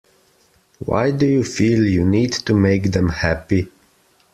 Why do you feel you need to make them happy?